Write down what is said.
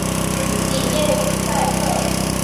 里耶于塞克。